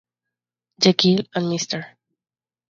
Jekyll and Mr.